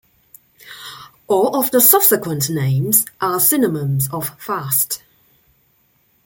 All of the subsequent names are synonyms of "fast".